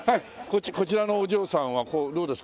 こちらのお嬢さんはどうですか？